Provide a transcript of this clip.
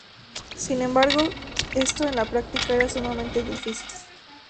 Sin embargo, esto en la práctica era sumamente difícil.